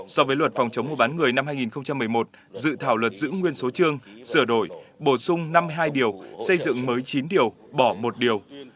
so với luật phòng chống mua bán người năm hai nghìn một mươi một dự thảo luật giữ nguyên số chương sửa đổi bổ sung năm mươi hai điều xây dựng mới chín điều bỏ một điều